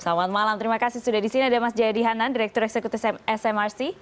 selamat malam terima kasih sudah di sini ada mas jayadi hanan direktur eksekutif smrc